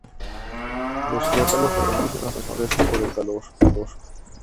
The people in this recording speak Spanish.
Los crótalos reconocen a sus presas por el calor.